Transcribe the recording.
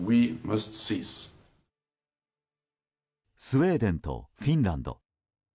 スウェーデンとフィンランド。